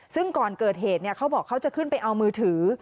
ซึ่งก่อนเกิดเหตุเขาบอกเขาจะขึ้นไปเอามือถือ